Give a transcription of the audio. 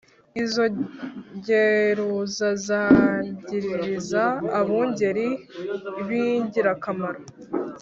Izo ngeruza zangiriza abungeri b'ingirakamaro